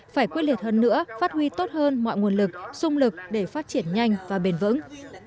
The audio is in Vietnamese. phải quyết liệt hơn nữa phát huy tốt hơn mọi nguồn lực sung lực để phát triển nhanh và bền vững